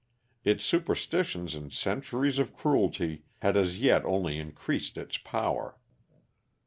Its superstitions and centuries of cruelty had as yet only increased its power.